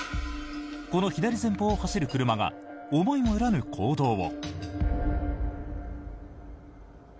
この左前方を走る車が思いもよらぬ行動を。